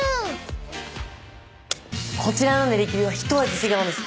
こちらの練り切りは一味違うんです。